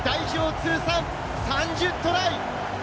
通算３０トライ！